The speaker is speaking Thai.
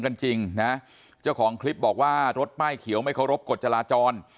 จริงนะเจ้าของคลิปบอกว่ารถป้ายเขียวไม่เคารพกฎจราจร